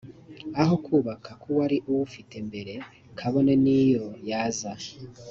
aho kuba k uwari uwufite mbere kabone n iyo yaza